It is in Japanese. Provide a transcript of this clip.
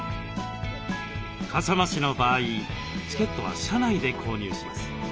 笠間市の場合チケットは車内で購入します。